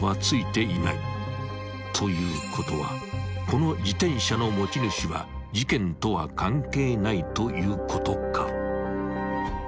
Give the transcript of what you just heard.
ということはこの自転車の持ち主は事件とは関係ないということか］